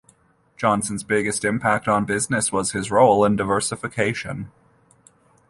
Johnson's biggest impact on the business was his role in diversification.